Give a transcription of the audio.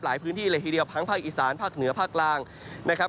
พื้นที่เลยทีเดียวทั้งภาคอีสานภาคเหนือภาคกลางนะครับ